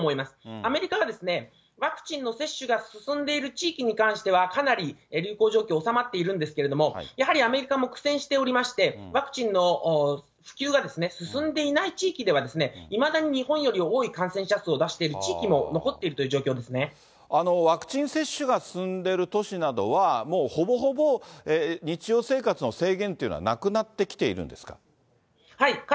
アメリカはワクチンの接種が進んでいる地域に関しては、かなり流行状況収まってるんですけれども、やはりアメリカも苦戦しておりまして、ワクチンの普及が進んでいない地域では、いまだに日本より多い感染者数を出している地域も残っているといワクチン接種が進んでいる都市などは、もうほぼほぼ日常生活の制限というのはなくなってきているんですか。